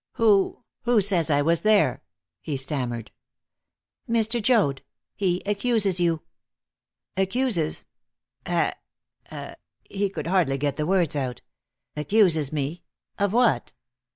"Who who says I was there?" he stammered. "Mr. Joad he accuses you." "Accuses acc " he could hardly get the words out "accuses me of what?"